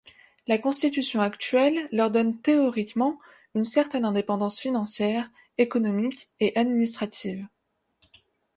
La constitution actuelle leur donne théoriquement une certaine indépendance financière, économique et administrative.